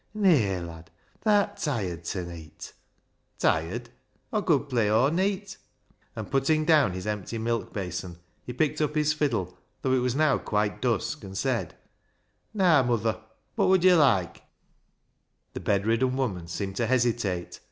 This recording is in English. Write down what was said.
" Nay, lad, tha'rt tired ta neet." " Tired ? Aw cud play aw neet !" And, putting down his empty milk basin, he picked up his fiddle, though it was now quite dusk, and said —" Naa, muther, what wod yo' loike ?" The bedridden woman seemed to hesitate.